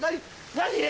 何？